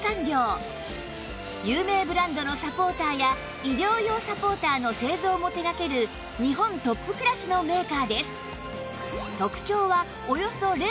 有名ブランドのサポーターや医療用サポーターの製造も手掛ける日本トップクラスのメーカーです